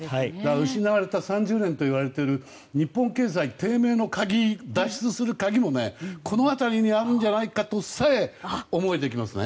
失われた３０年といわれている日本経済低迷の脱出する鍵もこの辺りにあるんじゃないかとさえ思えてきますね。